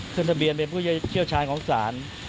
ทะเบียนเป็นผู้เชี่ยวชาญของศาล